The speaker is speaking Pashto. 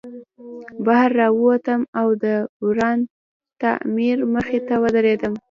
بهر راووتم او د وران تعمیر مخې ته ودرېدم